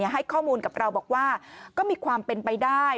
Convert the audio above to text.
ให้ข้อมูลกับเราบอกว่าก็มีความเป็นไปได้